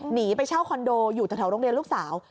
หนีไปเช่าคอนโดอยู่แถวโรงเรียนลูกสาว